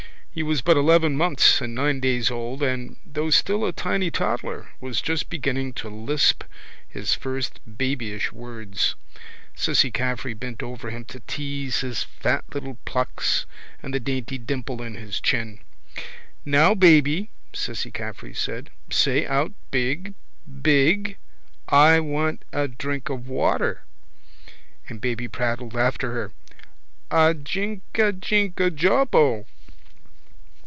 He was but eleven months and nine days old and, though still a tiny toddler, was just beginning to lisp his first babyish words. Cissy Caffrey bent over to him to tease his fat little plucks and the dainty dimple in his chin. —Now, baby, Cissy Caffrey said. Say out big, big. I want a drink of water. And baby prattled after her: —A jink a jink a jawbo.